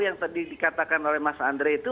yang tadi dikatakan oleh mas andre itu